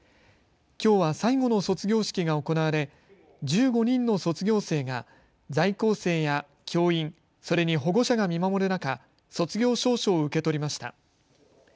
きょうは最後の卒業式が行われ１５人の卒業生が在校生や教員、それに保護者が見守る中、卒業証書を受け取りました。